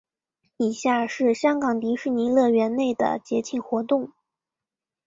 以下是香港迪士尼乐园内的节庆活动。